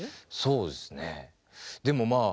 そうですね。